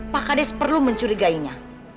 pak kades perlu mencurigainya